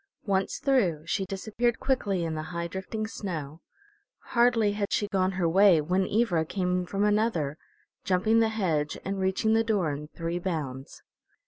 Once through she disappeared quickly in the high drifting snow. Hardly had she gone her way when Ivra came from another, jumping the hedge and reaching the door in three bounds.